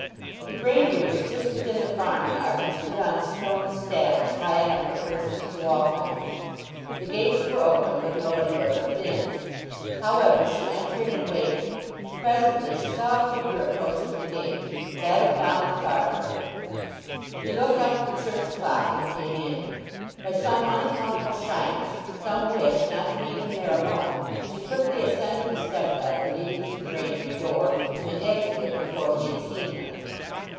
The granary was just within the farm yard, and stood on stone staddles, high enough for persons to walk under. The gates were open, but nobody was within. However, she entered and waited. Presently she saw a figure approaching the gate—that of Donald Farfrae. He looked up at the church clock, and came in. By some unaccountable shyness, some wish not to meet him there alone, she quickly ascended the step ladder leading to the granary door, and entered it before he had seen her.